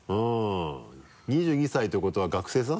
２２歳ってことは学生さん？